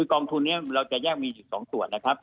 กองทุนนี้เราจะแยกมีอยู่๒ส่วนนะครับ